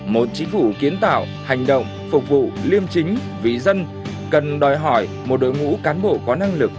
một chính phủ kiến tạo hành động phục vụ liêm chính vì dân cần đòi hỏi một đội ngũ cán bộ có năng lực